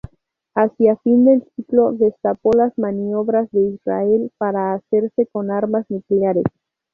Hacia fin de siglo, destapó las maniobras de Israel para hacerse con armas nucleares.